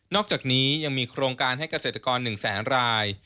อกจากนี้ยังมีโครงการให้เกษตรกร๑แสนราย